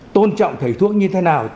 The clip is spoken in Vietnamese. tôn trọng thầy thuốc như thế nào